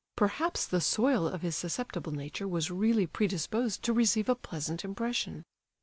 Perhaps the soil of his susceptible nature was really predisposed to receive a pleasant impression.